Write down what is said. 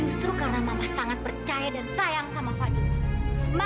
justru karena mama sangat percaya dan sayang sama fadli